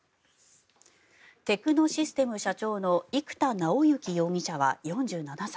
テクノシステム社長の生田尚之容疑者は４７歳。